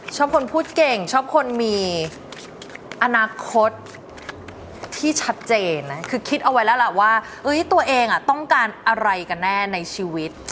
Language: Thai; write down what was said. ชอบคนพูดเก่งชอบคนมีอนาคตที่ชัดเจนนะคือคิดเอาไว้แล้วล่ะว่าตัวเองต้องการอะไรกันแน่ในชีวิต